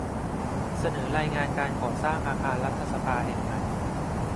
เสนอรายงานการก่อสร้างอาคารรัฐสภาแห่งใหม่